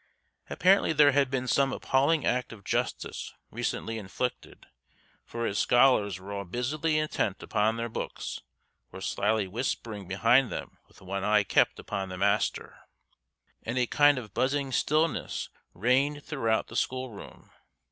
Apparently there had been some appalling act of justice recently inflicted, for his scholars were all busily intent upon their books or slyly whispering behind them with one eye kept upon the master, and a kind of buzzing stillness reigned throughout the school room.